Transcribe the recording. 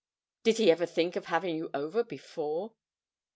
'Did he never think of having you over before?'